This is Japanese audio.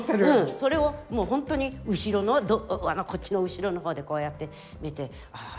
それをもうほんとに後ろのこっちの後ろの方でこうやって見てあ